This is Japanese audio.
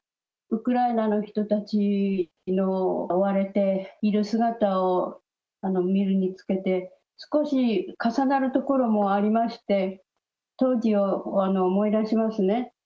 ウクライナの人たちの追われている姿を見るにつけて、少し重なるところもありまして、当時を思い出しますね。